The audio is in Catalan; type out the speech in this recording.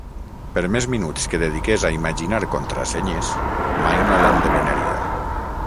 Per més minuts que dediqués a imaginar contrasenyes, mai no l'endevinaria.